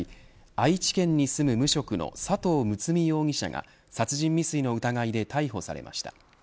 愛知県に住む無職の佐藤睦容疑者が殺人未遂の疑いで逮捕されました。